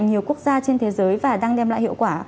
nhiều quốc gia trên thế giới và đang đem lại hiệu quả